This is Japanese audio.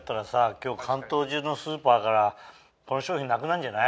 今日関東中のスーパーからこの商品なくなんじゃない？